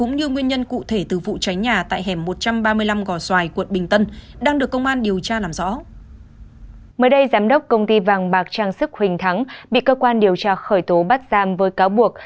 mới đây giám đốc công ty vàng bạc trang sức huỳnh thắng bị cơ quan điều tra khởi tố bắt giam với cáo buộc